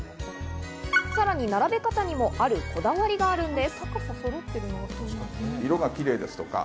さらに並べ方にもあるこだわりがあるのです。